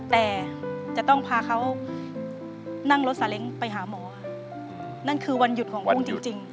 แต่จะต้องพาเขานั่งรถสาเล้งไปหาหมอค่ะนั่นคือวันหยุดของกุ้งจริง